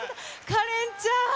カレンちゃん。